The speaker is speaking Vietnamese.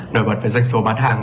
đổi bật với doanh số bán hàng